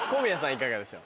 いかがでしょう？